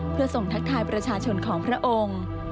เพื่อส่งทักทายประชาชนของพระองค์